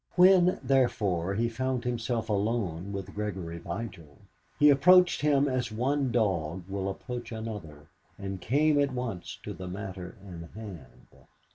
When, therefore, he found himself alone with Gregory Vigil, he approached him as one dog will approach another, and came at once to the matter in hand.